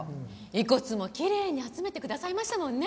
遺骨もきれいに集めてくださいましたもんね？